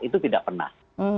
itu tidak pernah